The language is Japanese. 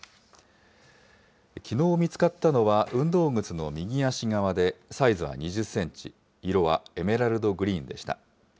きのう見つかったのは、運動靴の右足側でサイズは２０センチ、色はエメラルドグリーンでした。